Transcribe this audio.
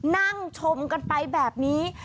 นั่งชมกันไปแบบนี้